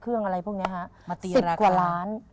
เกื้องอะไรพวกนี้ฮะสิบกว่าล้าน